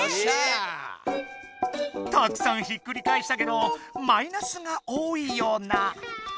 たくさんひっくり返したけどマイナスが多いような。